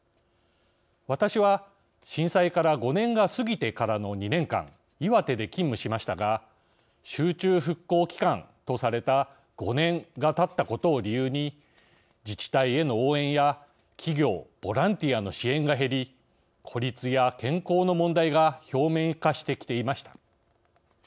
私は、震災から５年が過ぎてからの２年間岩手で勤務しましたが集中復興期間とされた５年がたったことを理由に自治体への応援や企業・ボランティアの支援が減り孤立や健康の問題が表面化してきていました。